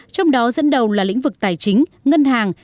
trong đó dẫn đầu là lĩnh vực tài chính ngân hàng